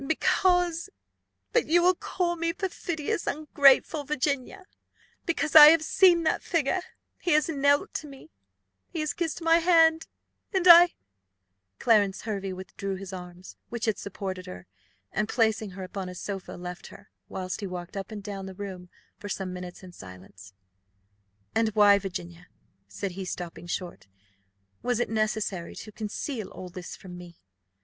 "Because but you will call me 'perfidious, ungrateful Virginia!' because I have seen that figure he has knelt to me he has kissed my hand and I " Clarence Hervey withdrew his arms, which had supported her, and placing her upon a sofa, left her, whilst he walked up and down the room for some minutes in silence. "And why, Virginia," said he, stopping short, "was it necessary to conceal all this from me?